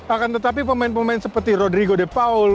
akan tetapi pemain pemain seperti rodrigo de paul